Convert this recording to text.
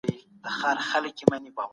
لس منفي يو؛ نهه کېږي.